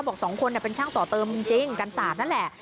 บอกสองคนเป็นช่างต่อเติมจริงกันศาสตร์นั่นแหละ